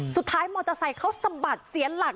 สุดท้ายมอเตอร์ไซค์เขาสะบัดเสียหลัก